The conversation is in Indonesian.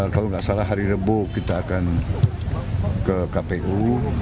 kalau nggak salah hari rebo kita akan ke kpu